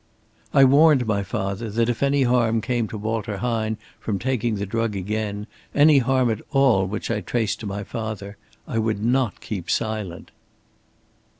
I warned my father that if any harm came to Walter Hine from taking the drug again, any harm at all which I traced to my father, I would not keep silent."